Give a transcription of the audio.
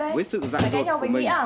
với sự dạ dột của mình